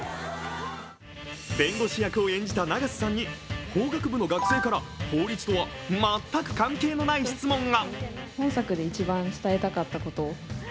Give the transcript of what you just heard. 弁護士役を演じた永瀬さんに法学部の学生から法律とは全く関係ない質問が。